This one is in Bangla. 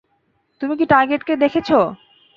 তুমি কি টার্গেটকে দেখেছ?